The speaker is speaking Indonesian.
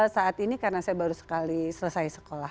saat ini karena saya baru sekali selesai sekolah